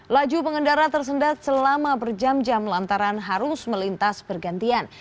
laju pengendara tersendat selama berjam jam lantaran harus melintas bergantian